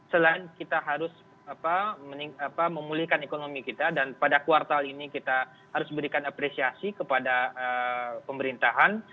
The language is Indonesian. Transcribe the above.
selain kita harus memulihkan ekonomi kita dan pada kuartal ini kita harus berikan apresiasi kepada pemerintahan